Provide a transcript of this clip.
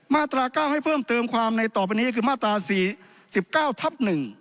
มาตรา๙ให้เพิ่มเติมความในต่อไปนี้คือมาตรา๔๙ทับ๑